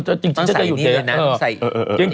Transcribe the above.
จริงต้องใส่อันนี้เลยนะ